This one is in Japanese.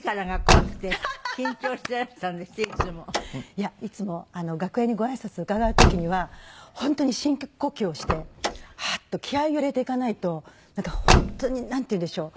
いやいつも楽屋にご挨拶伺う時には本当に深呼吸をしてハッと気合を入れていかないとなんか本当になんていうんでしょう。